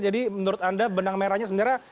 jadi menurut anda benang merahnya sebenarnya